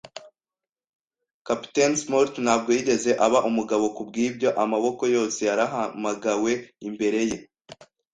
Kapiteni Smollett ntabwo yigeze aba umugabo kubwibyo. Amaboko yose yarahamagawe imbere ye,